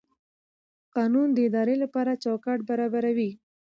قانون د ادارې لپاره چوکاټ برابروي.